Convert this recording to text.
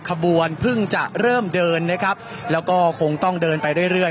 ขบวนเพิ่งจะเริ่มเดินนะครับแล้วก็คงต้องเดินไปเรื่อยเรื่อย